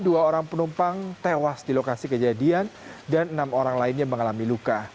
dua orang penumpang tewas di lokasi kejadian dan enam orang lainnya mengalami luka